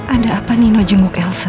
ada apa nino jenguk elsa